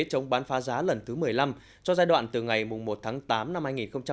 chống bán phá giá lần thứ một mươi năm cho giai đoạn từ ngày một tháng tám năm hai nghìn hai mươi